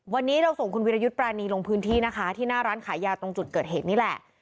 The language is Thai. วันนี้เราส่งคุณวิรยุทธ์ปรานีลงพื้นที่นะคะที่หน้าร้านขายยาตรงจุดเกิดเหตุนี่แหละ